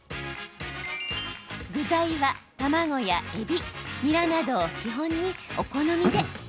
具材は、卵やえびニラなどを基本にお好みで。